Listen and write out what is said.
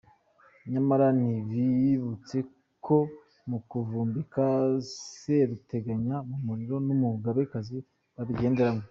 Nyamara ntibibutse ko mukuvumbika Seruteganya mu muriro n’umugabekazi yabigenderamo.